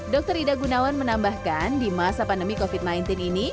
dr ida gunawan menambahkan di masa pandemi covid sembilan belas ini